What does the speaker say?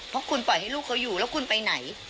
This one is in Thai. เพราะคุณปล่อยให้ลูกเขาอยู่แล้วคุณไปไหน